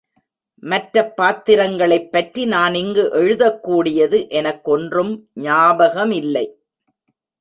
மற்றப் பாத்திரங்களைப்பற்றி நான் இங்கு எழுதக் கூடியது எனக்கொன்றும் ஞாபகமில்லை.